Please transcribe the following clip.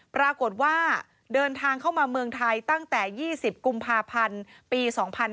ปรากฏว่าเดินทางเข้ามาเมืองไทยตั้งแต่๒๐กุมภาพันธ์ปี๒๕๕๙